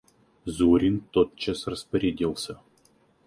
Зурин тотчас распорядился.